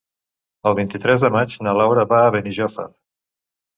El vint-i-tres de maig na Laura va a Benijòfar.